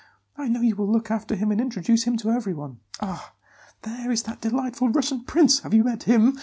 I know you will look after him and introduce him to everyone. Ah! there is that delightful Russian prince! Have you met him?